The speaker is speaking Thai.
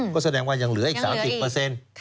ก็แสดงว่ายังเหลืออีก๓๐เปอร์เซ็นต์